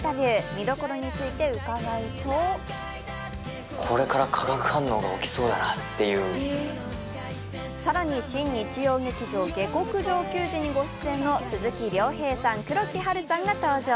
見どころについて伺うと更に新日曜劇場「下剋上球児」にご出演の鈴木亮平さん、黒木華さんが登場。